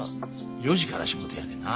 ４時から仕事やでな。